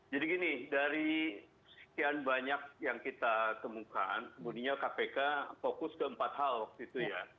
jadi gini dari sekian banyak yang kita temukan kemudiannya kpk fokus ke empat hal gitu ya